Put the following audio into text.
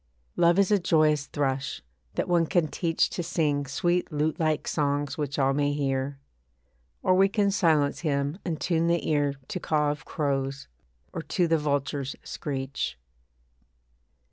Love is a joyous thrush, that one can teach To sing sweet lute like songs which all may hear. Or we can silence him and tune the ear To caw of crows, or to the vulture's screech.